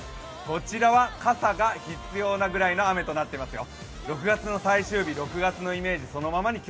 こちらは傘が必要なくらいの雨となってますよ。